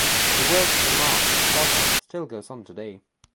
The work Lamarck started still goes on today.